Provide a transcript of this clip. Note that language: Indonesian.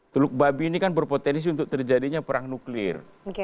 teluk babi ini kan berpotensi untuk terjadinya perang nuklir